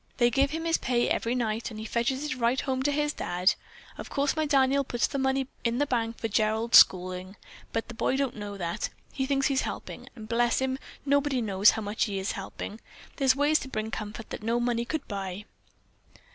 They give him his pay every night, and he fetches it right home to his Dad. Of course my Daniel puts the money in bank for Gerald's schooling, but the boy don't know that. He thinks he's helping, and bless him, nobody knows how much he is helping. There's ways to bring comfort that no money could buy."